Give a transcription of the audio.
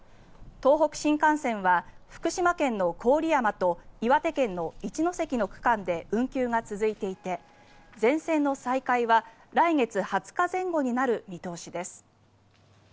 東北新幹線は福島県の郡山と岩手県の一ノ関の区間で運休が続いていて全線の再開は来月２０日前後になる見通しです。